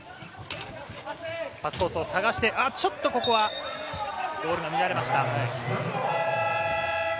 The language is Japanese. パスコースを探して、ちょっとここはボールが乱れました。